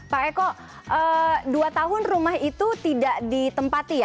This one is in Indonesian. pak eko dua tahun rumah itu tidak ditempati